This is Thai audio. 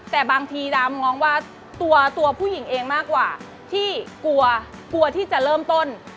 แต่บางทีดำมองว่าตัวผู้หญิงเองมากกว่าที่กลัวกลัวที่จะเริ่มต้น